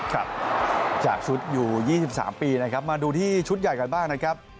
ครับจากชุดอยู่๒๓ปีนะครับมาดูที่ชุดใหญ่กันบ้างนะครับ